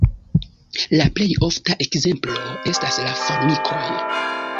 La plej ofta ekzemplo estas la formikoj.